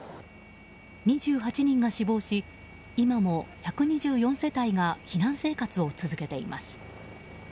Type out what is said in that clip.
２８人が死亡し今も１２４世帯が避難生活を続けています。